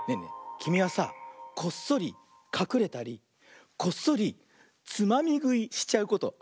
きみはさこっそりかくれたりこっそりつまみぐいしちゃうことあるかな。